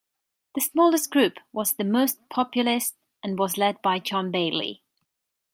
The smallest group was the most populist and was led by John Bailey.